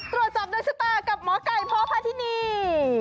ตรวจจับโดยสตาร์กับหมอไก่พอพทินี